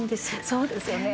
そうですよね。